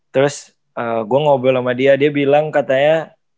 terus gue ngobrol sama dia dia bilang katanya